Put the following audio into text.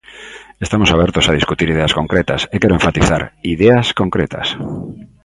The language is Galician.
Estamos abertos a discutir ideas concretas, e quero enfatizar: ideas concretas.